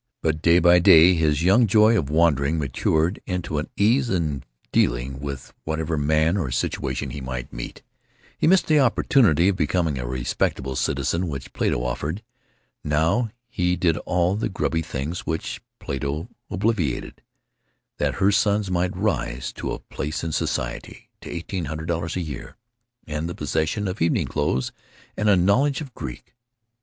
But day by day his young joy of wandering matured into an ease in dealing with whatever man or situation he might meet. He had missed the opportunity of becoming a respectable citizen which Plato offered. Now he did all the grubby things which Plato obviated that her sons might rise to a place in society, to eighteen hundred dollars a year and the possession of evening clothes and a knowledge of Greek.